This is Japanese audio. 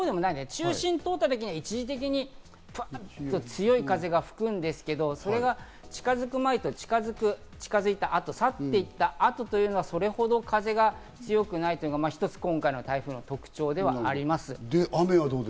中心の所だけで一時的にパンと強い風が吹くんですけど、それが近づく前と近づいた後、去って行った後というのはそれほど風が強くないというのが今回の一つの台風の特徴ではあります。